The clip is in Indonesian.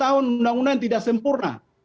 dua puluh tahun undang undang tidak sempurna